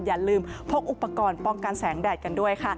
อย่าลืมพกอุปกรณ์ป้องกันแสงแดดกันด้วยค่ะ